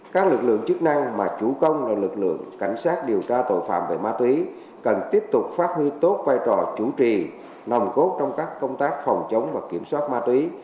các lực lượng chức năng mà chủ công là lực lượng cảnh sát điều tra tội phạm về ma túy cần tiếp tục phát huy tốt vai trò chủ trì nồng cốt trong các công tác phòng chống và kiểm soát ma túy